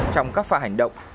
trong các pha hành động